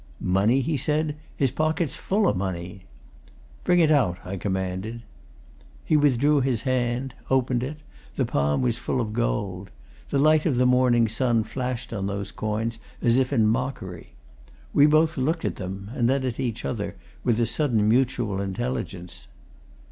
"Money?" he said. "His pocket's full o' money!" "Bring it out," I commanded. He withdrew his hand; opened it; the palm was full of gold. The light of the morning sun flashed on those coins as if in mockery. We both looked at them and then at each other with a sudden mutual intelligence.